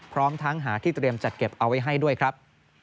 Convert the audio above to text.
พร้อมทั้งหาที่เตรียมจัดเก็บเอาไว้ให้ด้วยครับ